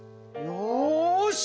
よし。